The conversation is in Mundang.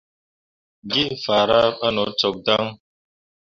Geefahra ɓah no cok dan.